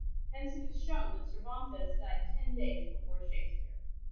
Hence it is shown that Cervantes died ten days before Shakspeare."